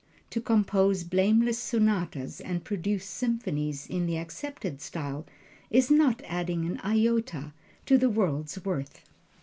To compose blameless sonatas and produce symphonies in the accepted style, is not adding an iota to the world's worth.